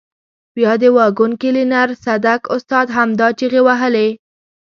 بیا د واګون کلینر صدک استاد همدا چیغې وهلې.